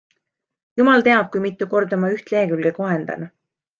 Jumal teab, kui mitu korda ma üht lehekülge kohendan.